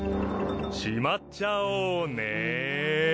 しまっちゃおうね。